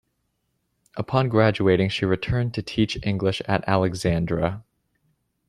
Upon graduating, she returned to teach English at Alexandra.